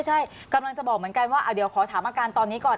ใช่กำลังจะบอกเหมือนกันว่าเดี๋ยวขอถามอาการตอนนี้ก่อน